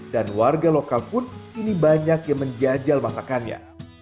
dan warga lokal pun ini banyak yang menjajal masakannya